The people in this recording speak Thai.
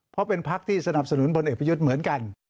เพราะเป็นพักที่สนับสนุนพลเอกประยุทธ์เหมือนกัน